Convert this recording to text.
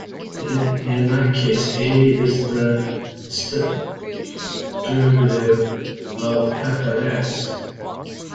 In that case, "A" is the st derivative of "f" at "x".